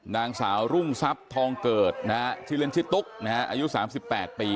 นางสาวรุ่งทรัพย์ทองเกิดนะฮะชื่อเล่นชื่อตุ๊กนะฮะอายุ๓๘ปี